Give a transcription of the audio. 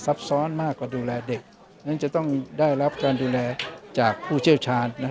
ซ้อนมากกว่าดูแลเด็กนั้นจะต้องได้รับการดูแลจากผู้เชี่ยวชาญ